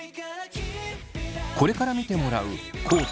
これから見てもらう地